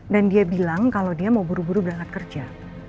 dan dia bilang kalo dia mau buru buru berangkat kerja